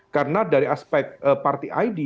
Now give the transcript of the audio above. karena dari aspek parti id